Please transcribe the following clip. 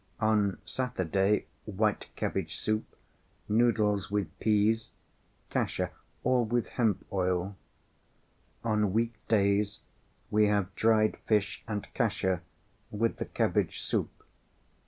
On Saturday white cabbage soup, noodles with peas, kasha, all with hemp oil. On weekdays we have dried fish and kasha with the cabbage soup.